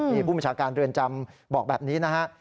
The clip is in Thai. มีผู้บัญชาการเรือนจำบอกแบบนี้นะฮะ